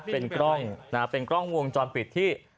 เป็นกล้องนะเป็นกล้องวงจรปิดที่